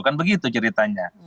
kan begitu ceritanya